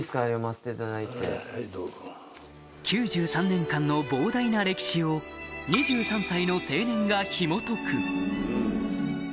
９３年間の膨大な歴史を２３歳の青年がひもとく